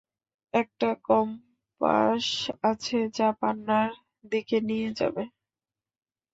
একটা কম্পাস আছে যা পান্নার দিকে নিয়ে যাবে।